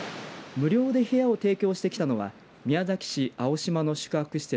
無料で部屋を提供してきたのは宮崎市青島の宿泊施設